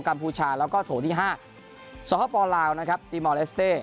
กัมพูชาแล้วก็โถ๕สหพลาวนะครับดิมอเลสเต้